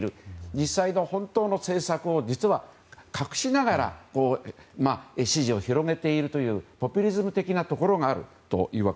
実際の本当の政策を実は隠しながら支持を広げていくというポピュリズム的なところがある。